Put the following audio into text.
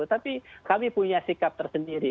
tapi kami punya sikap tersendiri